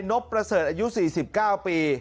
บประเสริฐอายุ๔๙ปี